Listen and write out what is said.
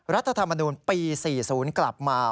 รัฐธรรมนูลปี๔๐กลับมา